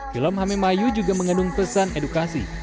film hame mayu juga mengandung pesan edukasi